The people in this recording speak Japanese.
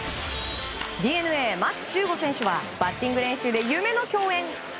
ＤｅＮＡ、牧秀悟選手はバッティング練習で夢の共演。